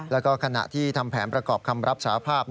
แล้วก็ขณะที่ทำแผนประกอบคำรับสาภาพ